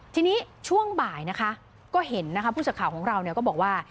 ทีนี้ช่วงบ่ายนะคะก็เห็นนะคะผู้สื่อข่าวของเราก็บอกว่า